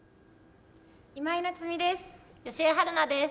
今井菜津美です。